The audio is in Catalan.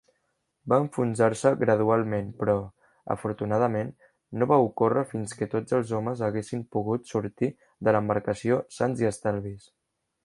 Va enfonsar-se gradualment, però, afortunadament, no va ocórrer fins que tots els homes haguessin pogut sortir de l'embarcació sans i estalvis.